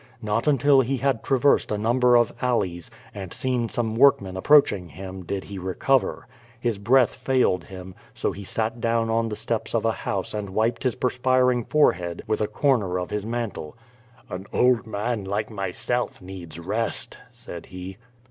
Not until he had traversed a number of alleys, and seen some workmen approaching him him did he recover. His breath failed him, so he sat down on the steps of a house and wiped his perspiring forehead with a corner of his mantle. "An old man like mvself needs rest," said he.